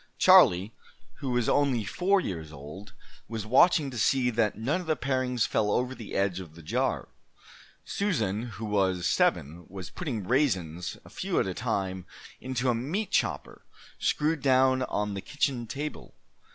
Charlie, who was only four years old, was watching to see that none of the parings fell over the edge of the jar. Susan, who was seven, was putting raisins, a few at a time, into a meat chopper screwed down on the kitchen table.